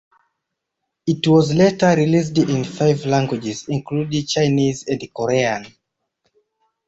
It was later released in five languages including Chinese and Korean.